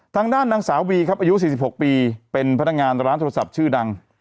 ทางด้านนางสาววีครับอายุสี่สิบหกปีเป็นพนักงานร้านโทรศัพท์ชื่อดัง